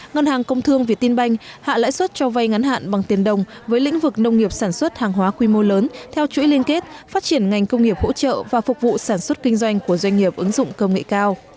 ngân hàng công thương việt tin banh hạ lãi suất cho vay ngắn hạn bằng tiền đồng với lĩnh vực nông nghiệp sản xuất hàng hóa quy mô lớn theo chuỗi liên kết phát triển ngành công nghiệp hỗ trợ và phục vụ sản xuất kinh doanh của doanh nghiệp ứng dụng công nghệ cao